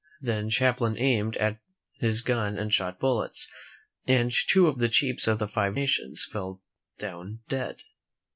Then Cham plain aimed his gun and shot bullets, and two of the chiefs of the Five Nations fell down dead.